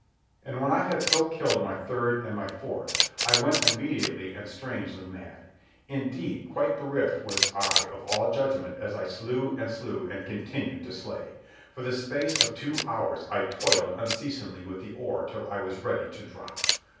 And when I had so killed my third and my fourth, I went immediately and strangely mad. Indeed quite bereft was I of all judgment as I slew and slew and continued to slay. For the space of two hours I toiled unceasingly with the oar till I was ready to drop.